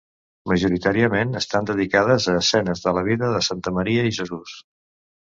Majoritàriament estan dedicades a escenes de la vida de Santa Maria i Jesús.